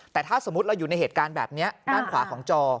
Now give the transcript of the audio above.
แต่ถ้าสมมุติเราอยู่ในเหตุการณ์แบบนี้ด้านขวาของจอ